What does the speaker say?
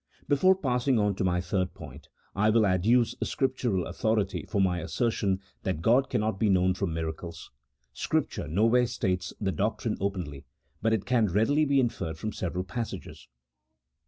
Before passing on to my third point, I will adduce Scriptural authority for my assertion that God cannot be known from miracles. Scripture nowhere states the doctrine openly, but it can readily be inferred from several passages.